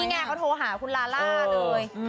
มองไงเค้าโทรหาคุณลาล่าด้วย